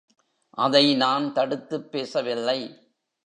அதை நான் தடுத்துப் பேசவில்லை.